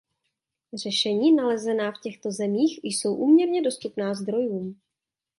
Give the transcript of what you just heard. Řešení nalezená v těchto zemích jsou úměrná dostupným zdrojům.